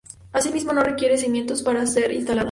Asimismo no requiere cimientos para ser instalada.